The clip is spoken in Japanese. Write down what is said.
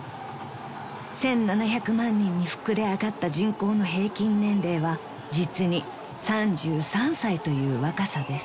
［１，７００万人に膨れ上がった人口の平均年齢は実に３３歳という若さです］